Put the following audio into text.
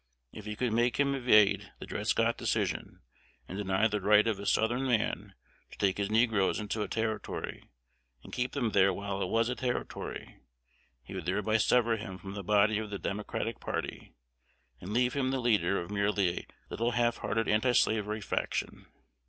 If he could make him evade the Dred Scott Decision, and deny the right of a Southern man to take his negroes into a Territory, and keep them there while it was a Territory, he would thereby sever him from the body of the Democratic party, and leave him the leader of merely a little half hearted antislavery faction.